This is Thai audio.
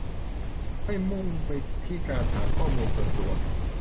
ไม่มุ่งไปที่การถามข้อมูลส่วนตัว